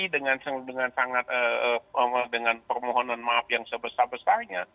dengan sangat dengan permohonan maaf yang sebesar besarnya